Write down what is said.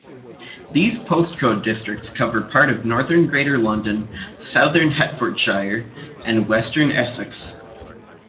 These postcode districts cover parts of northern Greater London, southern Hertfordshire and western Essex.